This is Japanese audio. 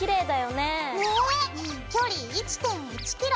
ねえ距離１．１キロ。